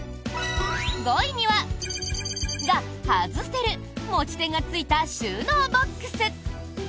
５位には、○○が外せる持ち手がついた収納ボックス。